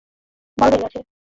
বড় হয়ে গেছে।